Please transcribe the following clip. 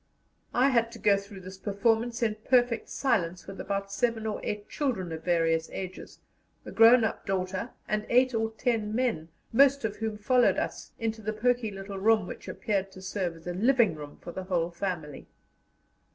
I had to go through this performance in perfect silence with about seven or eight children of various ages, a grown up daughter, and eight or ten men, most of whom followed us into the poky little room which appeared to serve as a living room for the whole family.